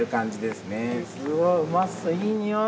すごいうまそういい匂い。